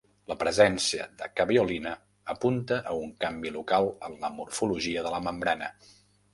La presència de caveolina apunta a un canvi local en la morfologia de la membrana.